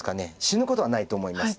死ぬことはないと思います。